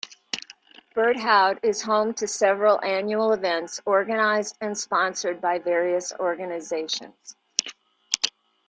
Berthoud is home to several annual events organized and sponsored by various organizations.